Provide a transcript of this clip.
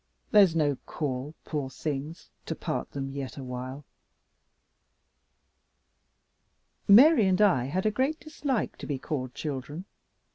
There's no call, poor things, to part them yet awhile." Mary and I had a great dislike to be called children.